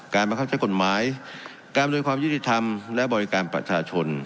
การประคับใช้กฎหมายการประโดยความยิติภัณฑ์และบริการประชาชน